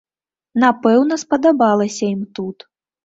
Напэўна, спадабалася ім тут.